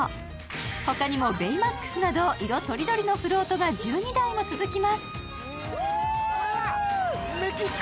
他にも、ベイマックスなど色とりどりのフロートが１２台も続きます。